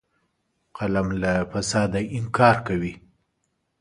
قلم له فساده انکار کوي